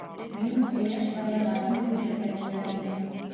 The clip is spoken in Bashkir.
Мин ҡояш байығанын күрергә теләр инем...